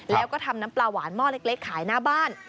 แล้วก็ทำน้ำปลาหวานหม้อเล็กขายหน้าบ้าน